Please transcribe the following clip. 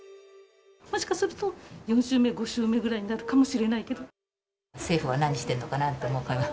もしかすると、４週目、５週目ぐらいになるかもしれないけれ政府は何してるのかなと。